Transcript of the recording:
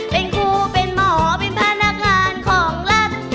เป็นครูเป็นหมอเป็นพนักงานของรัฐ